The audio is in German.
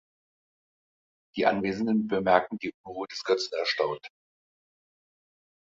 Die Anwesenden bemerken die Unruhe des Götzen erstaunt.